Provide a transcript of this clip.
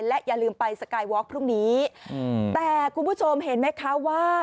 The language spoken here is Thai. และอย่าลืมไปสกายวอคพรุ่งนี้แต่คุณผู้ชมเห็นไหมคะว่า